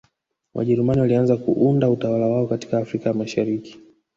Wajerumani walianza kuunda utawala wao katika Afrika ya Mashariki